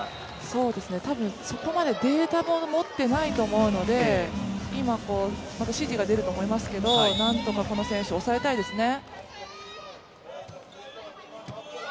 多分、そこまでデータも持ってないと思うので今、指示が出ると思いますけどなんとかこの選手、抑えたいですね